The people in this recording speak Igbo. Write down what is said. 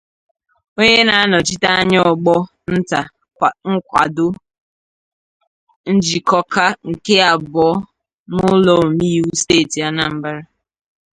onye na-anọchite anya ọgbọ nta nkwàdo Njikọka nke abụọ n'ụlọ omeiwu steeti Anambra